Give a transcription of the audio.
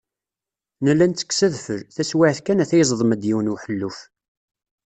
Nella nettekkes adfel, taswiɛt kan ata yeẓdem-d yiwen uḥelluf.